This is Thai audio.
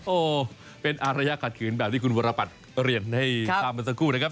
โอ้โหเป็นอารยาขัดขืนแบบที่คุณวรปัตย์เรียนให้ทราบเมื่อสักครู่นะครับ